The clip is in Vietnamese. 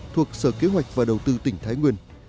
thuộc sở kế hoạch và đầu tư tỉnh thái nguyên